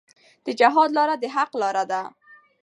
د جهاد لاره د حق لاره ده.